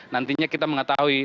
nantinya kita mengetahui